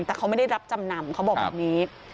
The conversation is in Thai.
แต่เขาไม่ได้รับจำนำเขาบอกแบบนี้